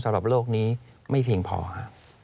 สำหรับโลกนี้ไม่เพียงพอครับ